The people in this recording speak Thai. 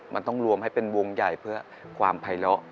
มันต้องรวมให้เป็นวงใหญ่เพื่อความภัยเลาะ